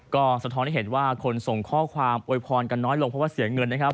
ก็สะท้อนให้เห็นว่าคนส่งข้อความโวยพรกันน้อยลงเพราะว่าเสียเงินนะครับ